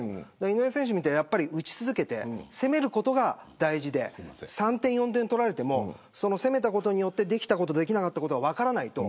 井上選手みたいに打ち続けて攻めることが大事で３点、４点取られても攻めたことによってできたこと、できなかったことが分からないと